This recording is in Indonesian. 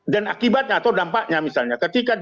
dan akibatnya atau dampaknya misalnya ketika